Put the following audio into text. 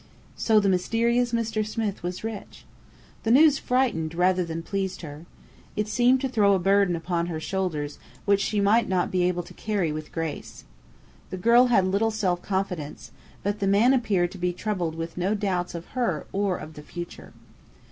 So the mysterious Mr. Smith was rich. The news frightened rather than pleased her. It seemed to throw a burden upon her shoulders which she might not be able to carry with grace. The girl had little self confidence; but the man appeared to be troubled with no doubts of her or of the future.